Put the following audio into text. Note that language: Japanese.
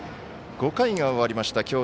５回が終わりました。